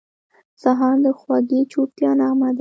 سهار د خوږې چوپتیا نغمه ده.